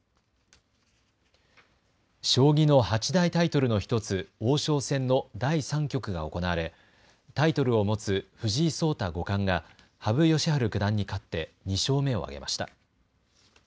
将棋の八大タイトルの１つ王将戦の第３局が行われ、タイトルを持つ藤井聡太五冠が羽生善治九段に勝って２勝目を挙げました。